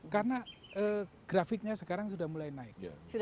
karena grafiknya sekarang sudah mulai naik